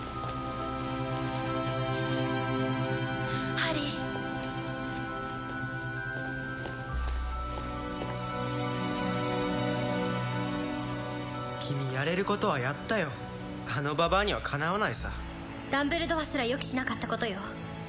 ハリー君やれることはやったよあのババアにはかなわないさダンブルドアすら予期しなかったことよ